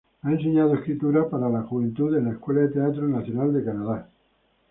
Ha enseñado escritura para la juventud, en la Escuela de Teatro Nacional de Canadá.